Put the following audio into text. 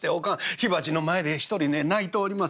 火鉢の前で一人泣いております。